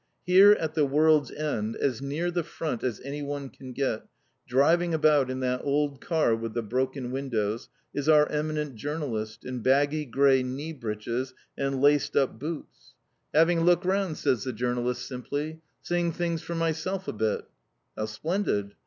Here, at the world's end, as near the Front as anyone can get, driving about in that old car with the broken windows, is our eminent journalist, in baggy grey knee breeches and laced up boots. "Having a look round," says the journalist simply. "Seeing things for myself a bit!" "How splendid!"